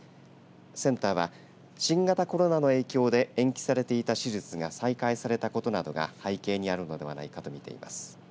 センターは新型コロナの影響で延期されていた手術が再開されたことなどが背景にあるのではないかとみています。